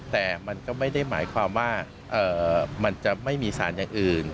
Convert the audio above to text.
แต่มันก็ไม่ได้หมายความว่ามันจะไม่มีสารอย่างอื่น